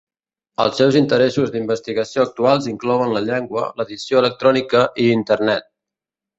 Els seus interessos d'investigació actuals inclouen la llengua, l'edició electrònica i Internet.